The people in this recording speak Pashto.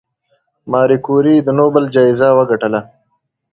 ماري کوري د نوبل جایزه وګټله.